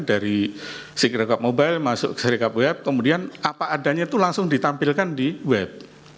dari secrecop mobile masuk ke seri cup web kemudian apa adanya itu langsung ditampilkan di web